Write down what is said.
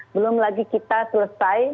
belum lagi kita selesai